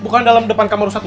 bukan dalam depan kamar